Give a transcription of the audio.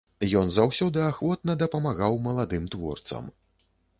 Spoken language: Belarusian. Ён заўсёды ахвотна дапамагаў маладым творцам.